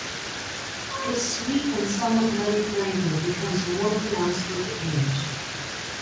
Its sweet and somewhat nutty flavour becomes more pronounced with age.